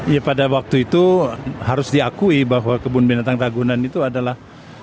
ya pada waktu itu harus diakui bahwa kebun binatang ragunan itu adalah